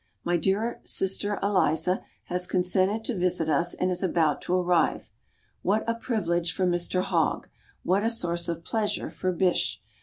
My dear sister Eliza has consented to visit us and is about to arrive. What a privilege for Mr Hogg, what a source of pleasure for Bysshe.